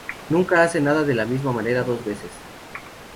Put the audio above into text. Nunca hace nada de la misma manera dos veces.